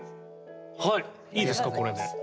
はいいいですかこれで。